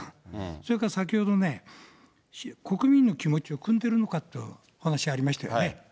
それから先ほどね、国民の気持ちをくんでるのかってお話ありましたよね。